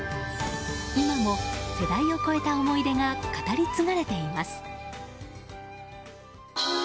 今も、世代を超えた思い出が語り継がれています。